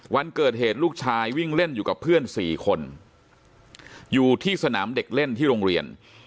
วันเกิดเหตุลูกชายวิ่งเล่นอยู่กับเพื่อนสี่คนอยู่ที่สนามเด็กเล่นที่โรงเรียน